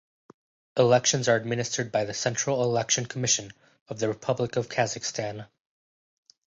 Elections are administered by the Central Election Commission of the Republic of Kazakhstan.